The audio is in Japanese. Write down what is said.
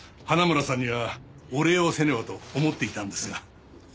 花村さんにはお礼をせねばと思っていたのですが。